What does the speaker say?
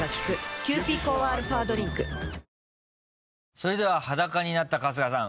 それでは裸になった春日さん